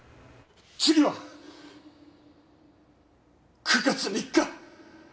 次は９月３日。